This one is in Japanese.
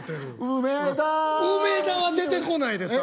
梅田は出てこないです